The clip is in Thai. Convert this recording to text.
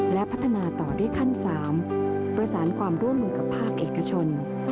และพัฒนาต่อด้วยขั้น๓ประสานความร่วมมือกับภาคเอกชน